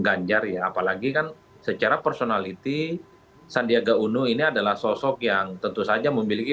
ganjar ya apalagi kan secara personality sandiaga uno ini adalah sosok yang tentu saja memiliki